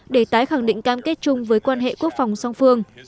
để tái khẳng định cam kết chung với quan hệ quốc phòng song phương